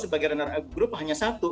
sebagai runner up group hanya satu